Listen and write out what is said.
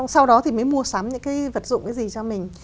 sau đó thì mới mua sắm những vật dụng gì cho mình